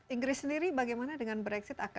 inggris sendiri bagaimana dengan brexit